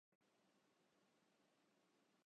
بلکہ اس کی اگر ضرورت پیش آئے تو